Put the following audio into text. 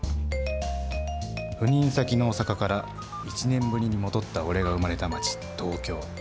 赴任先の大阪から１年ぶりに戻った俺が生まれた街、東京。